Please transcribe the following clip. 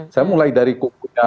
saya mulai dari kubunya